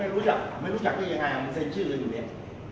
ไม่รู้จักไม่รู้จักนี่ยังไงมันเซ็นชื่ออะไรอยู่เนี่ย